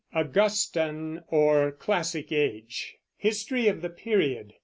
AUGUSTAN OR CLASSIC AGE HISTORY OF THE PERIOD.